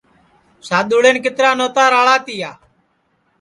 سادؔوݪین کِترا نوتا راݪا تیا